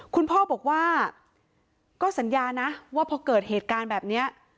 คุณพ่อบอกว่าก็สัญญานะว่าพอเกิดเหตุการณ์แบบนี้